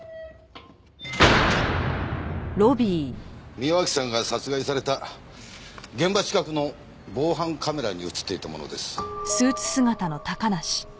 宮脇さんが殺害された現場近くの防犯カメラに映っていたものです。